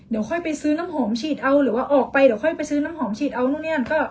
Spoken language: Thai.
เดี๋ยวค่อยไปซื้อน้ำหอมฉีดเอาหรือว่าออกไปเดี๋ยวค่อยไปซื้อน้ำหอมฉีดเอานู่นนี่นั่นก็